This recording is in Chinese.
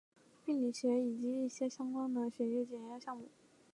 病理学方面要开展的血型鉴定与交叉配血以及一些相关的血液学检验项目。